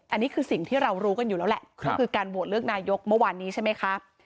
อันนี้คือสิ่งที่เรารู้กันอยู่แล้วแหละก็คือการโหวตเลือกนายกเมื่อวานนี้ใช่ไหมคะ